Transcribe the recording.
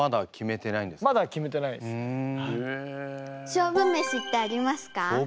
勝負メシってありますか？